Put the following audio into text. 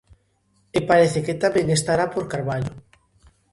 E parece que tamén estará por Carballo...